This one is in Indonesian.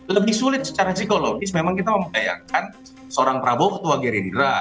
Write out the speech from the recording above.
lebih sulit secara psikologis memang kita membayangkan seorang prabowo ketua gerindra